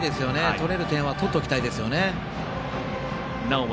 取れる点は取っておきたいですよね。